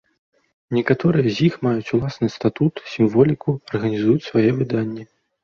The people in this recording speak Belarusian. Некаторыя з іх маюць уласны статут, сімволіку, арганізуюць свае выданні.